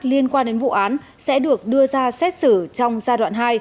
liên quan đến vụ án sẽ được đưa ra xét xử trong giai đoạn hai